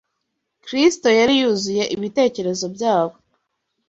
Kristo yari yuzuye ibitekerezo byabo